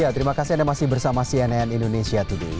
terima kasih anda masih bersama cnn indonesia today